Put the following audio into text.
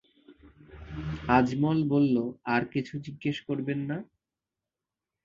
আজমল বলল, আর কিছু জিজ্ঞেস করবেন না?